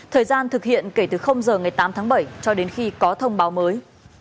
thời gian thực hiện kể từ giờ ngày tám tháng bảy cho đến khi có thông báo mới